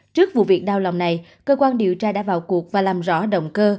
trước vụ việc đau lòng này cơ quan điều tra đã vào cuộc và làm rõ động cơ